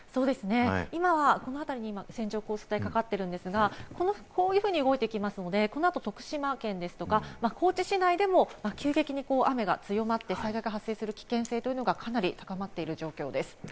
今はこの辺りに線状降水帯がかかってるんですが、こういうふうに動いていきますので、この後、徳島県ですとか、高知市内でも雨が強まって災害が発生する危険が高まっているという状況です。